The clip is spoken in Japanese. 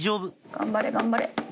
頑張れ頑張れ！